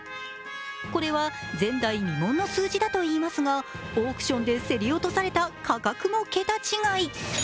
これは前代未聞の数字だといいますが、オークションで競り落とされた価格も桁違い。